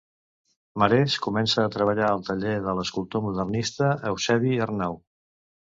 Marès començà a treballar al taller de l'escultor modernista Eusebi Arnau.